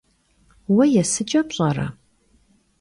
Vue yêsıç'e pş'ere?